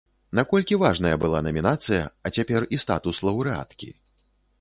Наколькі важная была намінацыя, а цяпер і статус лаўрэаткі?